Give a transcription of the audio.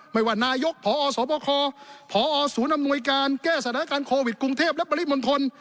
ไม่ว่านายกพอสบคพอศูนย์อำนวยการแก้สถานการณ์โควิดกรุงเทพและปริมณฑล